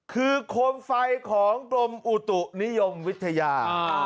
คือโคมไฟของกรมอุตุนิยมวิทยา